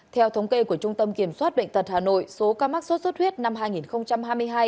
theo thống kê của trung tâm kiểm soát bệnh tật hà nội số ca mắc sốt xuất huyết năm hai nghìn hai mươi hai